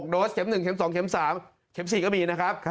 โดสเข็ม๑เม็ม๒เม็ม๓เข็ม๔ก็มีนะครับ